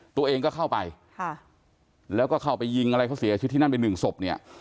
ตัวเองก็เข้าไปค่ะแล้วก็เข้าไปยิงอะไรเขาเสียชีวิตที่นั่นไปหนึ่งศพเนี่ย